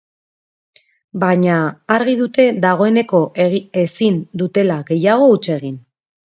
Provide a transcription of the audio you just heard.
Baina, argi dute dagoeneko ezin dutela gehiago huts egin.